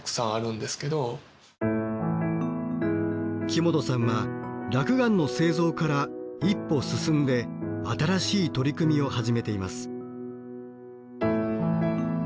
木本さんは落雁の製造から一歩進んで新しい取り組みを始めています。